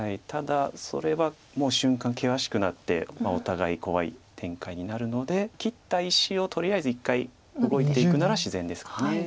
ただそれはもう瞬間険しくなってお互い怖い展開になるので切った石をとりあえず一回動いていくなら自然ですか。